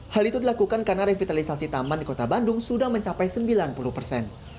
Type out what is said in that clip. hal itu dilakukan karena revitalisasi taman di kota bandung sudah mencapai sembilan puluh persen